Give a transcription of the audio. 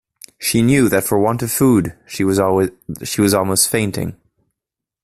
She knew that for want of food she was almost fainting.